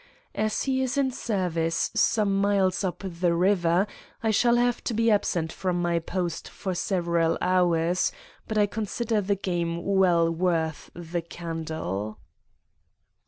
As he is in service some miles up the river, I shall have to be absent from my post for several hours, but I consider the game well worth the candle.